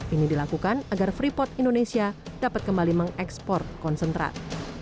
ini dilakukan agar freeport indonesia dapat kembali mengekspor konsentrat